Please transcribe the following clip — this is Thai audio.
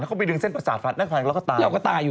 เขาไปดึงเส้นประสาทฟันแล้วก็ตาย